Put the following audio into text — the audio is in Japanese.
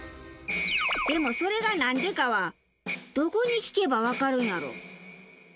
でもそれがなんでかはどこに聞けばわかるんやろ？